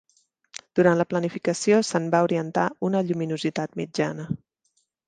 Durant la planificació se'n va orientar una lluminositat mitjana.